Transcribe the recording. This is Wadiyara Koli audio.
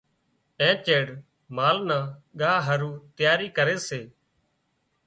اين چيڙ مال نا ڳاهَ هارُو تياري ڪري سي۔